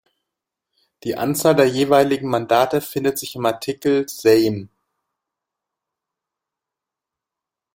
Die Anzahl der jeweiligen Mandate findet sich im Artikel Sejm.